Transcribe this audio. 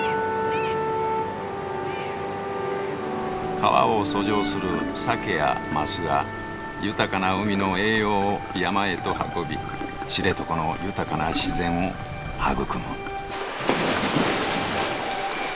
川を遡上するサケやマスが豊かな海の栄養を山へと運び知床の豊かな自然を育む。